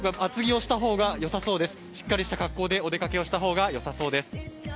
しっかりした格好でお出かけをした方がよさそうです。